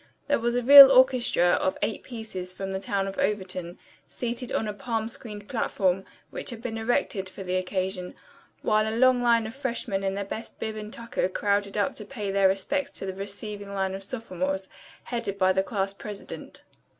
There was a real orchestra of eight pieces from the town of Overton, seated on a palm screened platform which had been erected for the occasion; while a long line of freshmen in their best bib and tucker crowded up to pay their respects to the receiving line of sophomores, headed by the class president.